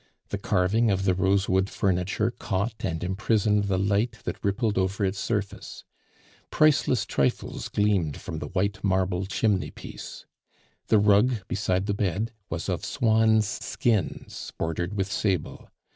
The carving of the rosewood furniture caught and imprisoned the light that rippled over its surface. Priceless trifles gleamed from the white marble chimney piece. The rug beside the bed was of swan's skins bordered with sable.